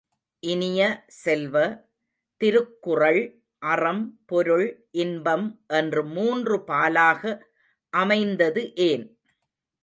இனிய செல்வ, திருக்குறள் அறம், பொருள், இன்பம் என்று மூன்று பாலாக அமைந்தது ஏன்?